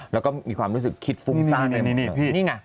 แล้วก็มีความรู้สึกคิดฟุ้งซ่านนี่ไง